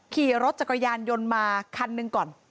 ขี่รถจักรยานยนต์มาคันหนึ่งก่อน